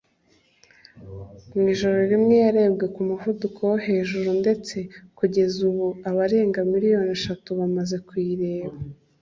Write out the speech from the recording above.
Mu ijoro rimwe yarebwe ku muvuduko wo hejuru ndetse kugeza ubu abarenga miliyoni eshatu bamaze kuyireba